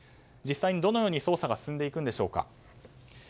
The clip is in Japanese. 実際にどのように捜査が進んでいくんでしょうか。